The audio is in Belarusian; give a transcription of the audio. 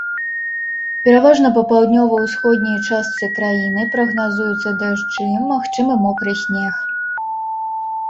Пераважна па паўднёва-ўсходняй частцы краіны прагназуюцца дажджы, магчымы мокры снег.